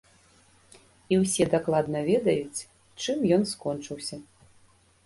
І ўсе дакладна ведаюць, чым ён скончыўся.